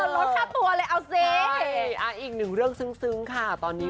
ลดค่าตัวเลยเอาซิ